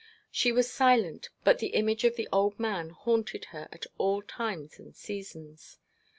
She was silent, but the image of the old man haunted her at all times and seasons.